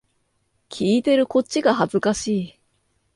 聞いてるこっちが恥ずかしい